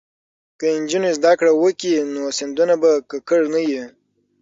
که نجونې زده کړې وکړي نو سیندونه به ککړ نه وي.